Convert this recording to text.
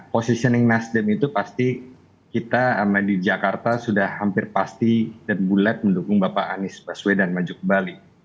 positioning nasdem itu pasti kita di jakarta sudah hampir pasti dan bulat mendukung bapak anies baswedan maju ke bali